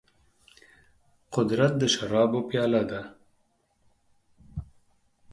قدرت د شرابو پياله ده.